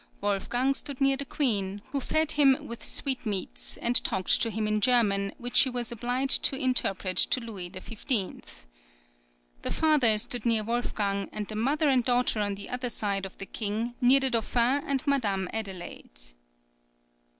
Wolfgang stood near the Queen, who fed him with sweetmeats, and talked to him in German, which she was obliged to interpret to Louis XV. The father stood near Wolfgang, and the mother and daughter on the other side of the King, near the Dauphin and Madame Adelaide.